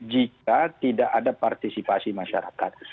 jika tidak ada partisipasi masyarakat